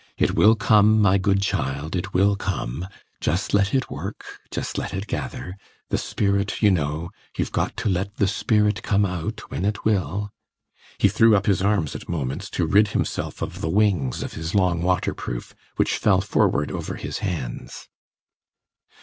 "It will come, my good child, it will come. Just let it work just let it gather. The spirit, you know; you've got to let the spirit come out when it will." He threw up his arms at moments, to rid himself of the wings of his long waterproof, which fell forward over his hands.